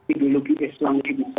ideologi islam ini bisa